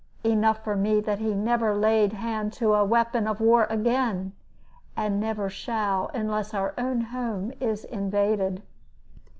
Enough for me that he never laid hand to a weapon of war again, and never shall unless our own home is invaded.